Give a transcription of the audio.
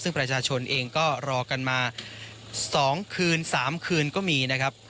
ซึ่งประชาชนเองก็รอกันมา๒คืน๓คืนก็มีนะครับ